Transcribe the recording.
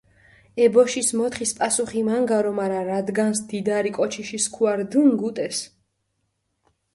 ე ბოშის მოთხის პასუხი მანგარო, მარა რადგანს დიდარი კოჩიში სქუა რდჷნი, გუტეს.